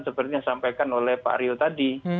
seperti yang sampaikan oleh pak ryo tadi